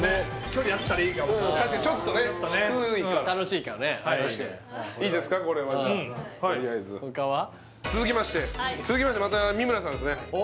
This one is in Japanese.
距離あったらいいかも楽しいかねいいですかこれはじゃあ続きまして続きましてまた三村さんですね